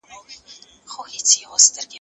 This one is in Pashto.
تا چې وینم تل پهٔ ما باندې اختر وي